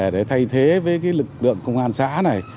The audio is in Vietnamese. để thay thế với lực lượng công an xã này